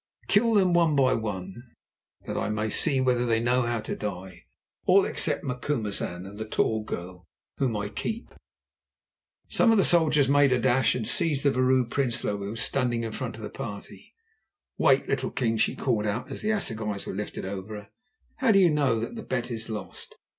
"Kill them one by one, that I may see whether they know how to die, all except Macumazahn and the tall girl, whom I keep." Some of the soldiers made a dash and seized the Vrouw Prinsloo, who was standing in front of the party. "Wait a little, King," she called out as the assegais were lifted over her. "How do you know that the bet is lost?